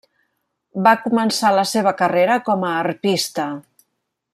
Va començar la seva carrera com a arpista.